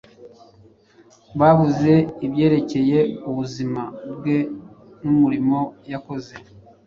Bavuze ibyerekeye ubuzima bwe n’umurimo yakoze,